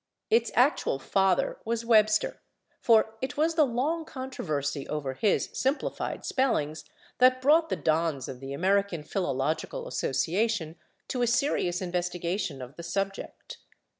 Its actual father was Webster, for it was the long controversy over his simplified spellings that brought the dons of the American Philological Association to a serious investigation of the subject.